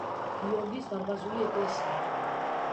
გიორგის დარბაზული ეკლესია.